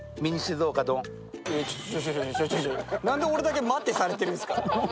なんで俺だけ待てされてるんですか。